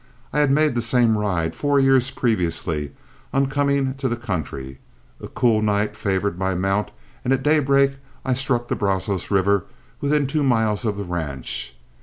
I had made the same ride four years previously on coming to the country, a cool night favored my mount, and at daybreak I struck the Brazos River within two miles of the ranch.